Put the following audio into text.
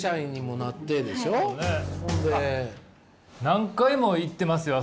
何回も行ってますよ！